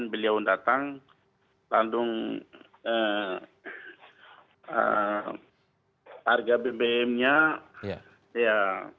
beliau datang lalu harga bbm nya ya